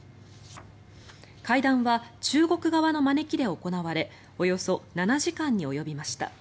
会談は中国側の招きで行われおよそ７時間に及びました。